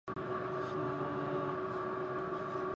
お前何してるんだ？